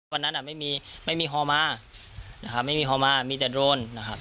วันนั้นไม่มีไม่มีฮอลมานะครับไม่มีฮอลมามีแต่โดรนนะครับ